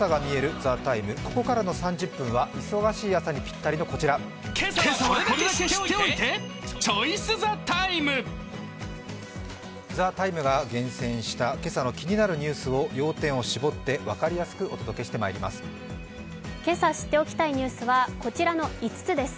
「ＴＨＥＴＩＭＥ，」が厳選した今朝の気になるニュースを要点を絞って分かりやすくお届けしてまいります。